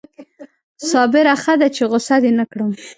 صابره ښه ده چې غصه دې نه کړم